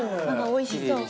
おいしそう？